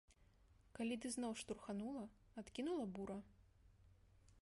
Калі ды зноў штурханула, адкінула бура?